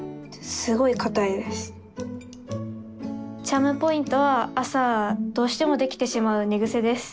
チャームポイントは朝どうしてもできてしまう寝癖です。